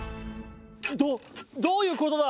どどういうことだ？